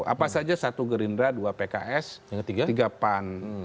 apa saja satu gerindra dua pks tiga pan